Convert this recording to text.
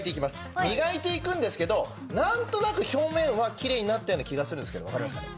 磨いていくんですけどなんとなく表面はきれいになったような気がするんですけどわかりますかね。